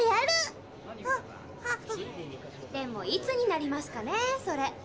でもいつになりますかねそれ。